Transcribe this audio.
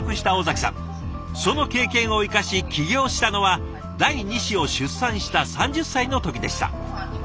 その経験を生かし起業したのは第２子を出産した３０歳の時でした。